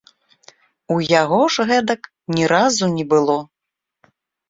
У яго ж гэтак ні разу не было.